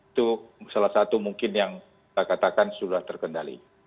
itu salah satu mungkin yang dikatakan sudah terkendali